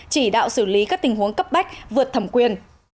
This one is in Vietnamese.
chỉ đạo xử lý các tình huống cấp bách vượt thẩm quyền